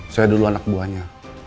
saya dulu anak buahnya